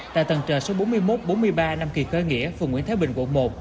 tại tầng trời số bốn mươi một bốn mươi ba năm kỳ khởi nghĩa phường nguyễn thái bình quận một